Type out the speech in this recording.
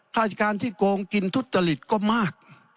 ราชการที่โกงกินทุจริตก็มาก